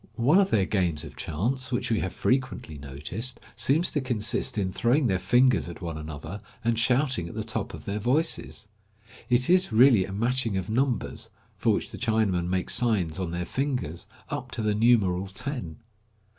One of their games of chance, which we have frequently noticed, seems to consist in throwing their fingers at one another, and shouting at the top of their voices. It is really a matching of numbers, for which the Chinamen make signs on their fingers, up to the numeral ten.